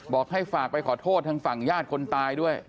บอกให้ฝากไปขอโทษทางฝั่งญาติคนตายด้วย